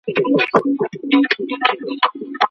د مرييانو ازادول د مسلمان اساسي دنده ده.